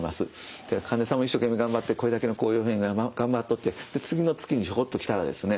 患者さんも一生懸命頑張ってこれだけこういうふうに頑張っとって次の月にひょこっと来たらですね